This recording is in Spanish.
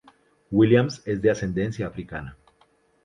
Williams es de ascendencia africana.